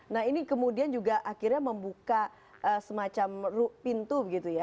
nah ini kemudian juga akhirnya membuka semacam pintu